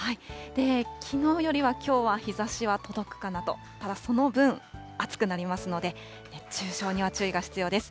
きのうよりはきょうは日ざしは届くかなと、ただその分、暑くなりますので、熱中症には注意が必要です。